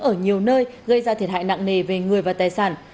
ở nhiều nơi gây ra thiệt hại nặng nề về người và tài sản